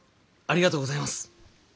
ありがとうございます。